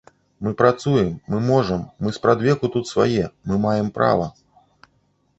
Мы працуем, мы можам, мы спрадвеку тут свае, мы маем права.